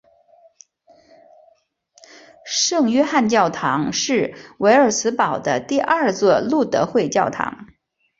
圣约翰教堂是维尔茨堡的第二座路德会教堂。